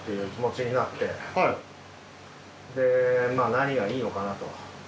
何がいいのかなと。